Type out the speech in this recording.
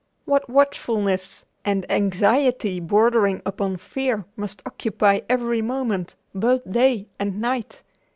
What watchfulness and anxiety bordering upon fear must occupy every moment, both day and night!